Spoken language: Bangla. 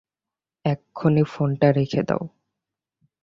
এক্ষুণি ফোনটা রেখে দাও।